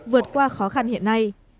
vượt qua khó khăn hiện nay